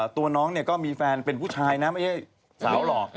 ตัวน้องเนี่ยก็มีแฟนเป็นผู้ชายนะไม่ใช่สาวหล่อ